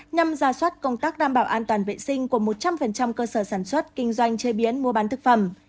nhằm ra soát công tác đảm bảo an toàn vệ sinh của một trăm linh cơ sở sản xuất kinh doanh chế biến mua bán thực phẩm